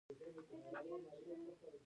د ژبي له لارې د ولس احساسات څرګندیږي.